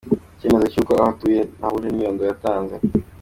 Icyemezo cy’uko aho atuye hahuje n’imyorondoro yatanze.